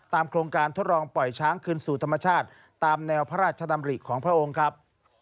โครงการทดลองปล่อยช้างคืนสู่ธรรมชาติตามแนวพระราชดำริของพระองค์ครับ